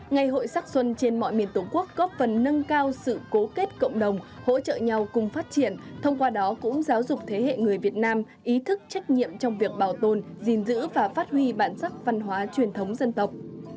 ngày hội sắc xuân trên mọi miền tổ quốc góp phần nâng cao sự cố kết cộng đồng hỗ trợ nhau cùng phát triển thông qua đó cũng giáo dục thế hệ người việt nam ý thức trách nhiệm trong việc bảo tồn gìn giữ và phát huy bản sắc văn hóa truyền thống dân tộc